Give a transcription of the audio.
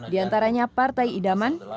di antaranya partai idaman